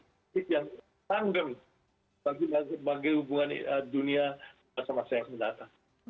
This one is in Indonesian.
masa masa yang mendatang